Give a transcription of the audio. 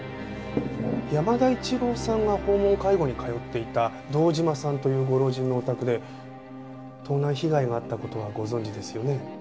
山田一郎さんが訪問介護に通っていた堂島さんというご老人のお宅で盗難被害があった事はご存じですよね？